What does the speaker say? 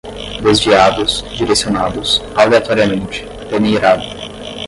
desviados, direcionados, aleatoriamente, peneirado